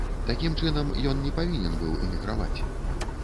Такім чынам, ён не павінен быў эміграваць.